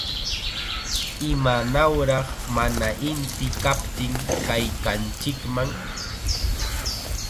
¡Imanawraq mana inti kaptin kaykanchikman!